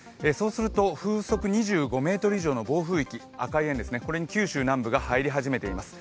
風速２５メートル以上の暴風域にこれに九州南部が入り始めています。